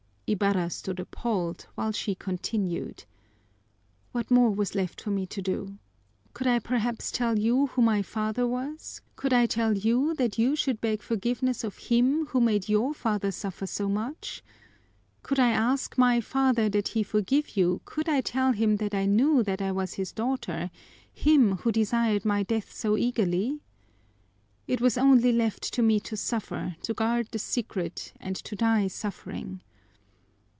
Ibarra stood appalled, while she continued: "What more was left for me to do? Could I perhaps tell you who my father was, could I tell you that you should beg forgiveness of him who made your father suffer so much? Could I ask my father that he forgive you, could I tell him that I knew that I was his daughter him, who desired my death so eagerly? It was only left to me to suffer, to guard the secret, and to die suffering!